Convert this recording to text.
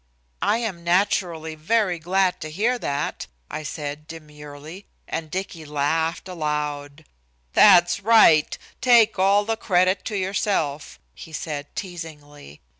"I am naturally very glad to hear that," I said, demurely, and Dicky laughed aloud. "That's right, take all the credit to yourself," he said, teasingly.